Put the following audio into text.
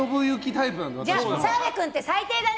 澤部君って最低だね！